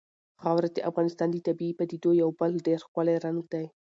خاوره د افغانستان د طبیعي پدیدو یو بل ډېر ښکلی رنګ دی.